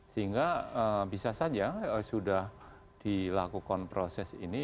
sehingga bisa saja sudah dilakukan proses ini